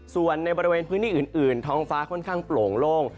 ส่วนในบริเวณพื้นที่อื่นท้องฟ้าค่อนข้างโปร่งโล่ง